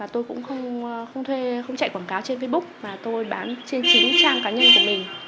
tôi cũng không chạy quảng cáo trên facebook mà tôi bán trên chính trang cá nhân của mình